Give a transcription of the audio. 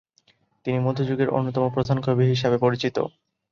তিনি মধ্যযুগের অন্যতম প্রধান কবি হিসাবে পরিচিত।